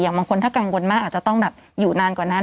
บางคนถ้ากังวลมากอาจจะต้องแบบอยู่นานกว่านั้น